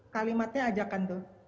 kalimatnya ajakan tuh